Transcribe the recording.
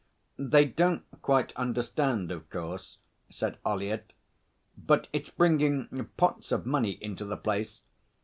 'They don't quite understand, of course,' said Ollyett. 'But it's bringing pots of money into the place.